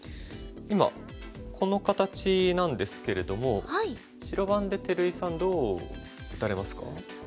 今この形なんですけれども白番で照井さんどう打たれますか？